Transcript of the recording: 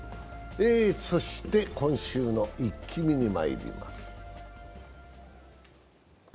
そして今週のイッキ見にまいります。